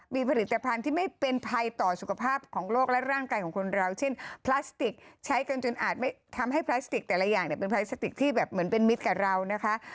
มีผลิตภัณฑ์ที่ไม่เป็นภัยต่อสุขภาพของโลกและร่างกายของคนเราเช่นพลาสติกใช้กันจนอาจไม่ทำให้พลาสติกแต่ละอย่างเนี่ยเป็นพลาสติกที่แบบเหมือนเป็นมิตรกับเรานะคะ